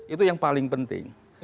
itu yang paling penting